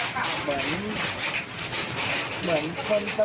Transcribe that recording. ก็แค่มีเรื่องเดียวให้มันพอแค่นี้เถอะ